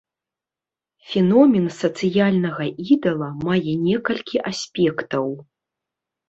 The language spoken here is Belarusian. Феномен сацыяльнага ідала мае некалькі аспектаў.